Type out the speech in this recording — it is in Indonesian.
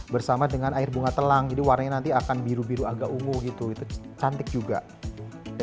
bersama dengan air bunga telang jadi warnanya nanti akan biru biru agak ungu gitu itu cantik juga gitu